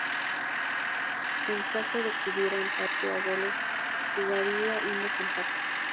En caso de que hubiera empate a goles se jugaría un desempate.